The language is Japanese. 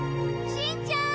しんちゃん。